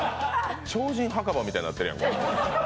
超人墓場みたいになってるやん。